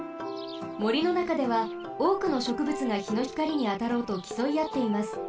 もりのなかではおおくのしょくぶつがひのひかりにあたろうときそいあっています。